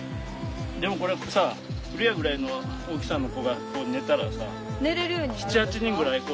でもこれさ來愛ぐらいの大きさの子が寝たらさ７８人ぐらい寝れるやん。